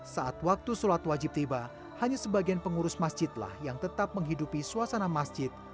saat waktu sholat wajib tiba hanya sebagian pengurus masjidlah yang tetap menghidupi suasana masjid